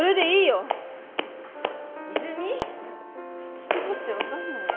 私だって分かんないよ